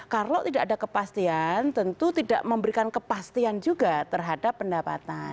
kalau tidak ada kepastian tentu tidak memberikan kepastian juga terhadap pendapatan